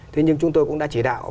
thế nhưng chúng tôi cũng đã chỉ đạo